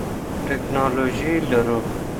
ټکنالوژي لرو.